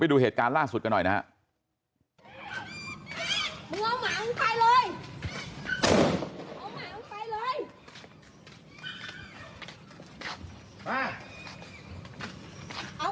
มึงปล่อยมาก่อนมาก็กลัว